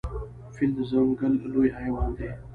فیل د ځنګل لوی حیوان دی.